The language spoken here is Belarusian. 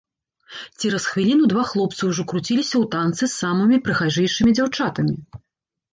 Цераз хвіліну два хлопцы ўжо круціліся ў танцы з самымі прыгажэйшымі дзяўчатамі.